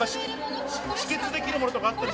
止血できるものとかあったり。